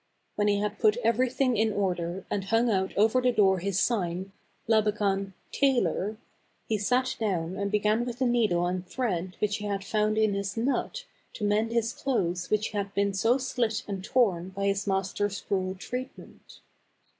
When he had put everything in order, and hung out over the door his sign, " Labakan — Tailor," he sat down and began with the needle and thread which he had found in his nut to mend his clothes which slit and torn by his master's cruel treatment.